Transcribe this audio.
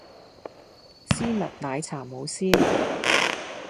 絲襪奶茶冇絲襪